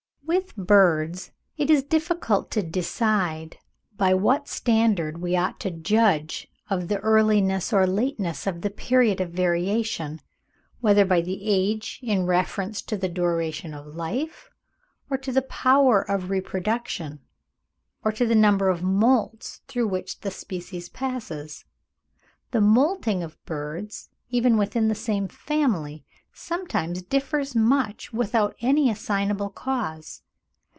With birds it is difficult to decide by what standard we ought to judge of the earliness or lateness of the period of variation, whether by the age in reference to the duration of life, or to the power of reproduction, or to the number of moults through which the species passes. The moulting of birds, even within the same family, sometimes differs much without any assignable cause.